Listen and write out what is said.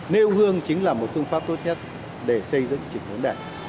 trung ương chính là một phương pháp tốt nhất để xây dựng trình hướng đảng